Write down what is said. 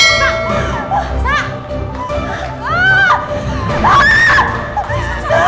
itu siapa yang taruh foto itu disitu siapa